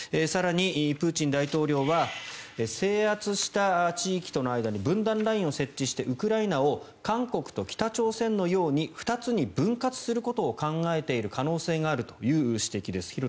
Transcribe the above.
更に、プーチン大統領は制圧した地域との間に分断ラインを設置してウクライナを韓国と北朝鮮のように２つに分割することを考えている可能性があるという指摘です。